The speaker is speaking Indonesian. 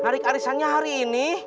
narik arisannya hari ini